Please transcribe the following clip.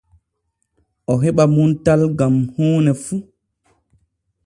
O heɓa muntal gam huune fu.